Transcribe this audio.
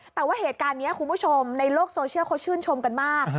แต่ว่าเหตุการณ์นี้คุณผู้ชมในโลกโซเชียลเขาชื่นชมกันมาก